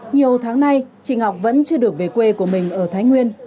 nhiều tháng nay chị ngọc vẫn chưa được về quê của mình ở thái nguyên